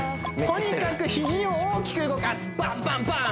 とにかくヒジを大きく動かすバンバンバン！